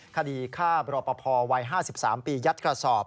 คดีฆ่าบรปภวัย๕๓ปียัดกระสอบ